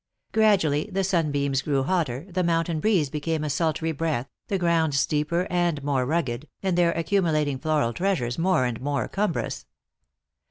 Gradually the sunbeams grew hotter, the mountain breeze became a sultry breath, the ground steeper and more rugged, and their accumulating floral treasures more and more cumbrous.